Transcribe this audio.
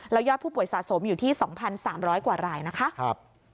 แล้วยอดผู้ป่วยสะสมอยู่ที่๒๓๐๐กว่ารายนะคะ